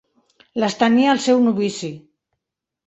Les tenia el seu novici.